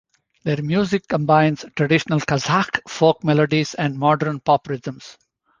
Their music combines traditional Kazakh folk melodies and modern pop rhythms.